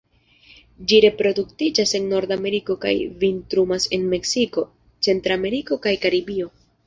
Ĝi reproduktiĝas en Nordameriko kaj vintrumas en Meksiko, Centrameriko kaj Karibio.